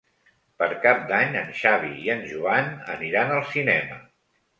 Per Cap d'Any en Xavi i en Joan aniran al cinema.